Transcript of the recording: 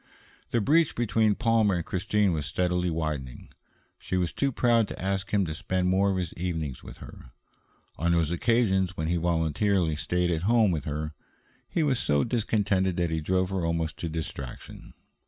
The breach between Palmer and Christine was steadily widening. She was too proud to ask him to spend more of his evenings with her. On those occasions when he voluntarily stayed at home with her, he was so discontented that he drove her almost to distraction.